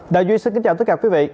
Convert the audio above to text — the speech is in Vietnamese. đại duy xin kính chào tất cả quý vị